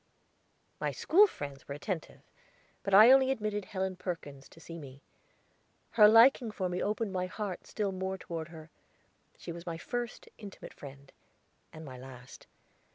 My school friends were attentive, but I only admitted Helen Perkins to see me. Her liking for me opened my heart still more toward her. She was my first intimate friend and my last.